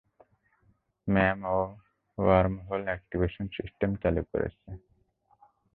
Ma'am, ও wormhole activation system চালু করছে।